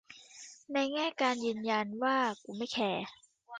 ในแง่การยืนยันว่ากูไม่แคร์